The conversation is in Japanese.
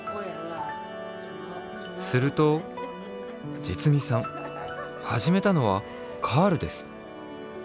するとじつみさんはじめたのはカールです。